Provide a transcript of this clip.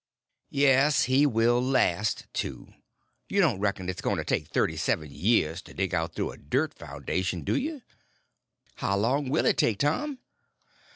"Yes he will last, too. You don't reckon it's going to take thirty seven years to dig out through a dirt foundation, do you?" "How long will it take, Tom?"